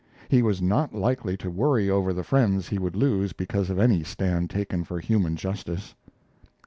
He was not likely to worry over the friends he would lose because of any stand taken for human justice.